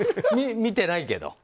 見てないけど。